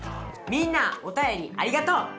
みんなおたよりありがとう！